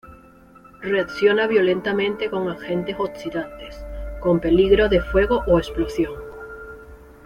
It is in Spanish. Reacciona violentamente con agentes oxidantes, con peligro de fuego o explosión.